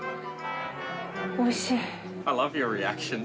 おいしい。